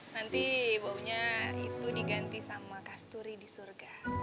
nanti baunya itu diganti sama kasturi di surga